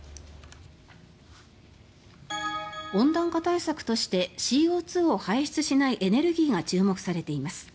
温暖化対策としてＣＯ２を排出しないエネルギーが注目されています。